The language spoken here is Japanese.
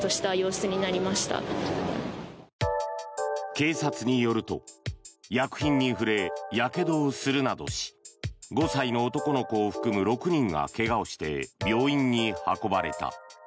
警察によると薬品に触れ、やけどをするなどし５歳の男の子を含む６人が怪我をして、病院に運ばれた。